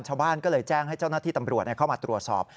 ชาวบ้านก็เลยแจ้งให้เจ้าหน้าที่ตำรวจเข้ามาตรวจสอบ